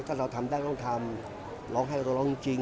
ถ้าเราทำได้ต้องทำเราให้โลกร้องจริง